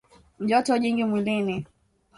Joto jingi mwilini